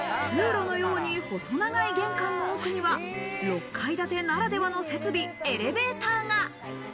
通路のように細長い玄関の奥には６階建てならではの設備、エレベーターが。